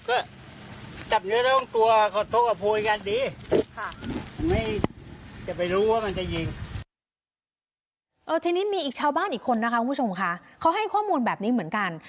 ทีนี้อีกชาวบ้านอีกคนนะคะคุณผู้ชมค่ะเขาให้ข้อมูลแบบนี้เหมือนกัน